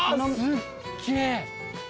すっげえ！